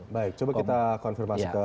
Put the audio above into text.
baik coba kita konfirmasi ke